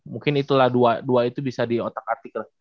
mungkin itulah dua itu bisa di otak artikel